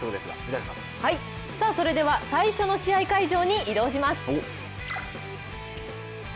それでは最初の試合会場に移動します。